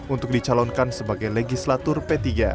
untuk dicalonkan sebagai legislator p tiga